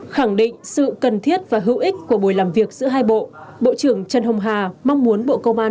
khẳng định sự cần thiết và hữu ích của buổi làm việc giữa hai bộ bộ trưởng trần hồng hà mong muốn bộ công an